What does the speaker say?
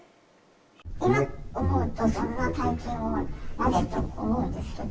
今思うと、そんな大金をなぜと思うんですけど。